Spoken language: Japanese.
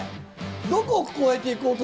どこを越えていこうと。